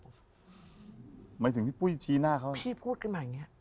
คุณหมายถึงชี้หน้าของ